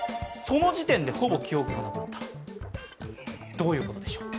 どういうことでしょう？